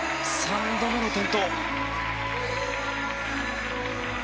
３度目の転倒。